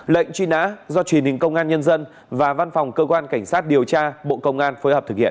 lệnh truy nã do truyền hình công an nhân dân và văn phòng cơ quan cảnh sát điều tra bộ công an phối hợp thực hiện